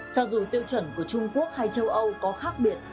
cho dù tiêu chuẩn của trung quốc hay châu âu có khác biệt